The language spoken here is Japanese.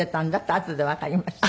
あとでわかりました。